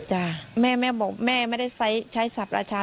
แม่แม่บอกแม่ไม่ได้ใช้ศัพท์ราชา